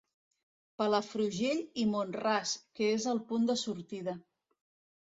Palafrugell i Mont-ras, que és el punt de sortida.